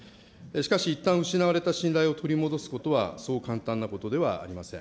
しかしいったん失われた信頼を取り戻すことは、そう簡単なことではありません。